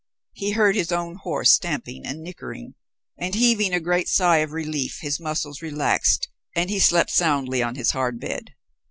He heard his own horse stamping and nickering, and heaving a great sigh of relief his muscles relaxed, and he slept soundly on his hard bed.